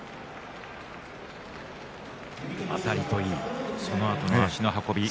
あたりといいそのあとの足の運び